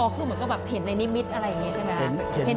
เหมือนก็เห็นในนิมิตอะไรอย่างนี้ใช่ไหม